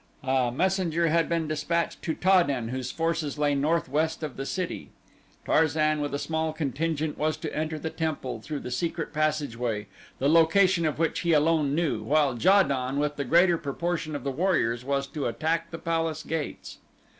A messenger had been dispatched to Ta den whose forces lay northwest of the city. Tarzan, with a small contingent, was to enter the temple through the secret passageway, the location of which he alone knew, while Ja don, with the greater proportion of the warriors, was to attack the palace gates.